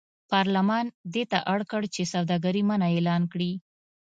پارلمان دې ته اړ کړ چې سوداګري منع اعلان کړي.